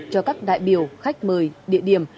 cho các đại biểu khách mời địa điểm